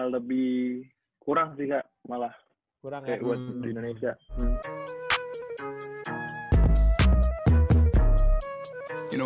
lebih kurang sih kak